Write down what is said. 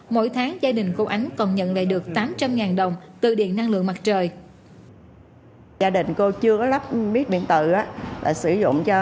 mỗi tháng gia đình cô ánh còn nhận lại được